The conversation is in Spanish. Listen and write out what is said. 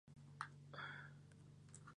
El iris de sus ojos es de color pardo oscuro.